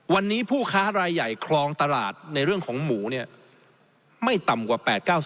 วันนี้ผู้ค้ารายใหญ่คลองตลาดในเรื่องของหมูเนี่ยไม่ต่ำกว่า๘๙๐